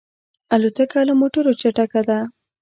الوتکه له موټرو چټکه ده.